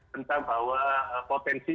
tentang bahwa potensi